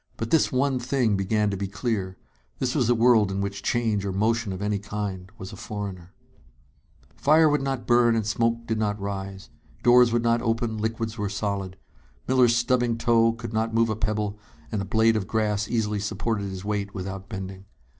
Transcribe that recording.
But this one thing began to be clear: This was a world in which change or motion of any kind was a foreigner. Fire would not burn and smoke did not rise. Doors would not open, liquids were solid. Miller's stubbing toe could not move a pebble, and a blade of grass easily supported his weight without bending.